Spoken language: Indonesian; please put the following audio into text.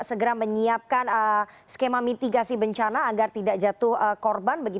segera menyiapkan skema mitigasi bencana agar tidak jatuh korban